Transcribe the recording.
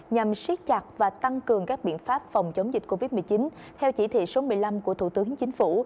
nhằm siết chặt và tăng cường các biện pháp phòng chống dịch covid một mươi chín theo chỉ thị số một mươi năm của thủ tướng chính phủ